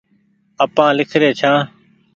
آپآن ليکري ڇآن